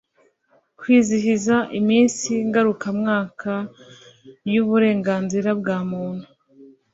kwizihiza iminsi ngarukamwaka y uburenganzira bwa muntu